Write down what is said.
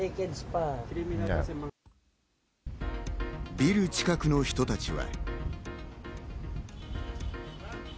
ビル近くの人たちは。